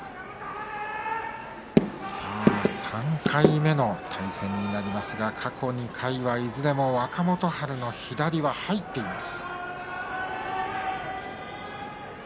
さあ３回目の対戦になりますが過去２回はいずれも若元春の左が入っています。